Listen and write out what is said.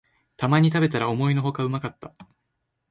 たまに食べたら思いのほかうまかった